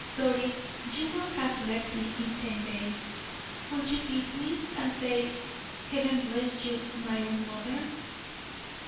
Doris you will have left me in ten days. Will you kiss me, and say, 'Heaven bless you, my own mother?'"